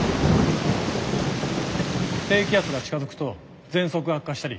低気圧が近づくとぜんそくが悪化したり。